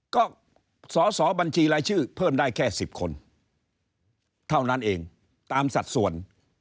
ก็สอสอบัญชีรายชื่อเพิ่มได้แค่๑๐คนเท่านั้นเองตามสัดส่วน